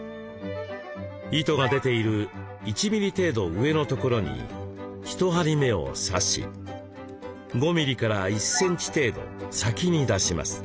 糸が出ている１ミリ程度上のところに一針目を刺し５ミリから１センチ程度先に出します。